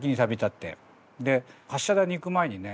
発射台に行く前にね